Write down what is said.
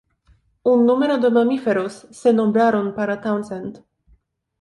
Un número de mamíferos, se nombraron para Townsend.